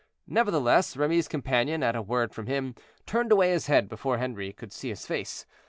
Nevertheless, Remy's companion, at a word from him, turned away his head before Henri could see his face.